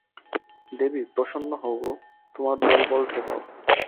দেবী, প্রসন্ন হও গো, তোমার দলবল ঠেকাও।